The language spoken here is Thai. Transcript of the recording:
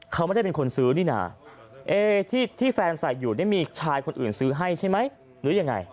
เขาไม่ได้เป็นคนซื้อนี่นะที่แฟนใส่อยู่นี่มีชายคนอื่นซื้อให้ใช่ไหมหรือยังไง